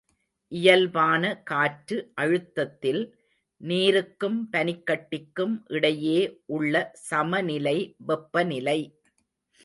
இயல்பான காற்று அழுத்தத்தில் நீருக்கும் பனிக்கட்டிக்கும் இடையே உள்ள சமநிலை வெப்பநிலை.